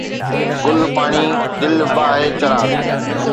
گل، پاڻي، دل، باھ، چراغ